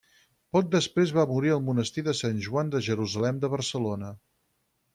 Poc després va morir al monestir de Sant Joan de Jerusalem de Barcelona.